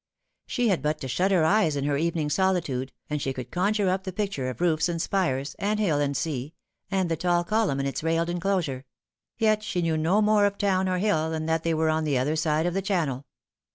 She had but to shut her eyes in her evening solitude, and she could conjure up the picture of roofs and spires, and hill and sea, and the tall column in its railed enclosure ; yet she knew no more of town or hill than that they were on the other side of the Channel.